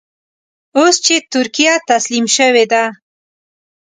اوس چې ترکیه تسلیم شوې ده.